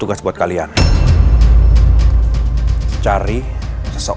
mungkin mungkin aman akan ladies